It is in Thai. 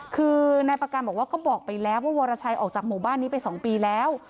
คือนายประกันบอกว่าก็บอกไปแล้วว่าวรชัยออกจากหมู่บ้านนี้ไป๒ปีแล้ว